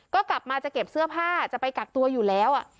ก็กลับมาจะเก็บเสื้อผ้าจะไปกักตัวอยู่แล้ว